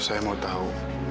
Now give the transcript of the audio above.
saya mau tahu